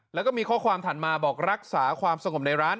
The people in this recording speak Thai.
แล้วก็มีข้อความถัดมาบอกรักษาความสงบในร้าน